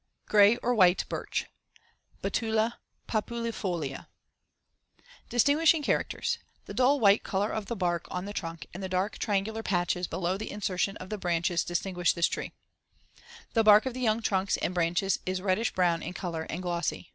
GRAY OR WHITE BIRCH (Betula populifolia) Distinguishing characters: The *dull white color of the bark* on the trunk and the dark triangular patches below the insertion of the branches distinguish this tree; see Fig. 50. The bark of the young trunks and branches is reddish brown in color and glossy.